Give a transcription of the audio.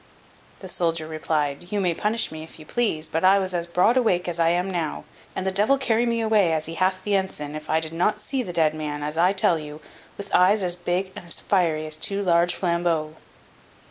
The soldier replied, "You may punish me if you please; but I was as broad awake as I am now; and the devil carry me away, as he hath the ensign, if I did not see the dead man, as I tell you, with eyes as big and as fiery as two large flambeaux."